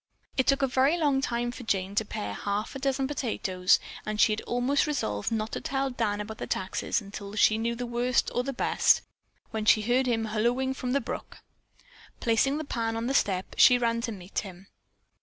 It took a very long time for Jane to pare the half dozen potatoes and she had almost resolved not to tell Dan about the taxes until she knew the worst or the best, when she heard him hallooing from the brook. Placing the pan on the step, she ran to meet him.